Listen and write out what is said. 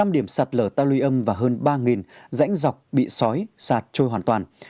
năm điểm sạt lở ta luy âm và hơn ba rãnh dọc bị sói sạt trôi hoàn toàn